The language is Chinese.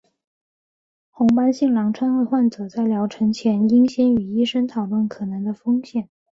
红斑性狼疮的患者在疗程前应先与医生讨论可能的风险。